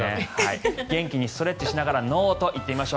元気にストレッチしながらノーと言ってみましょう。